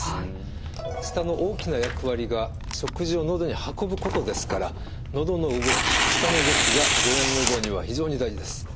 舌の大きな役割が食事をのどに運ぶことですからのどの動き舌の動きが誤嚥予防には非常に大事です。